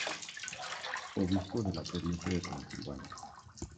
Obispo de la provincia de Transilvania.